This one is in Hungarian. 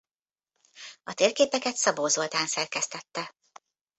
A térképeket Szabó Zoltán szerkesztette.